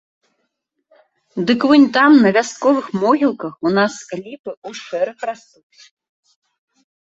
Дык вунь там на вясковых могілках у нас ліпы ў шэраг растуць.